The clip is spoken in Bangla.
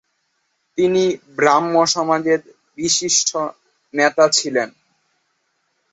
তিনি ব্রাহ্ম সমাজের বিশিষ্ট নেতা ছিলেন।